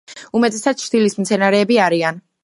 უმეტესად ჩრდილის მცენარეები არიან.